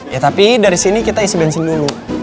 ya tapi dari sini kita isi bensin dulu